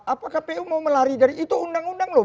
apa kpu mau melari dari itu undang undang loh